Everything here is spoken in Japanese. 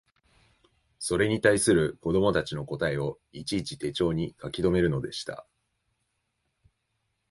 それに対する子供たちの答えをいちいち手帖に書きとめるのでした